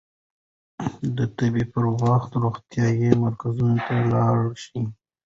د تبې پر وخت روغتيايي مرکز ته لاړ شئ.